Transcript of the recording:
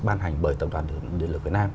ban hành bởi tổng đoàn địa lực việt nam